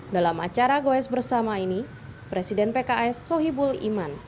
dalam acara goes bersama ini presiden pks sohibul iman